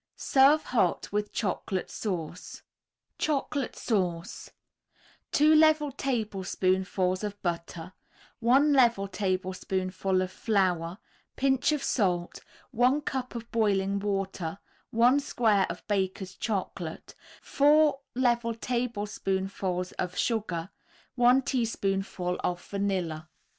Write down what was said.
Serve hot with Chocolate Sauce. CHOCOLATE SAUCE 2 level tablespoonfuls of butter, 1 level tablespoonful of flour, Pinch of salt, 1 cup of boiling water, 1 square of Baker's Chocolate, 4 level tablespoonfuls of sugar, 1 teaspoonful of vanilla.